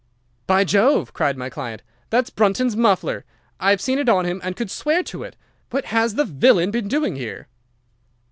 "'By Jove!' cried my client. 'That's Brunton's muffler. I have seen it on him, and could swear to it. What has the villain been doing here?